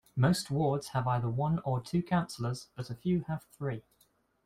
Most wards have either one or two councilors, but a few have three.